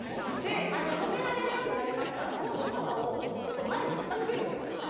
止められるようになりましたら今度傘をちょっと前に傾けるんです。